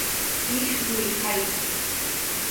Ихьзеи, ҳаит!